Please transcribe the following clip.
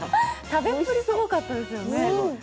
食べっぷりすごかったですよね。